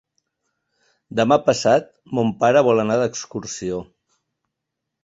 Demà passat mon pare vol anar d'excursió.